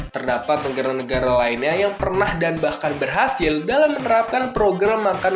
terdapat negara negara lainnya yang pernah dan bahkan berhasil dalam menerapkan program makan